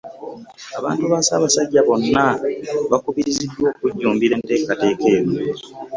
Abantu ba Ssaabasajja bonna bakubiriziddwa okujjumbira enteekateeka eno